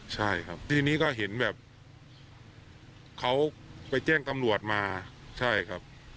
ใช่ครับทีนี้ก็เห็นแบบเขาไปแจ้งตำรวจมาใช่ครับ